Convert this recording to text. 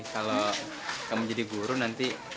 kalau kamu jadi guru nanti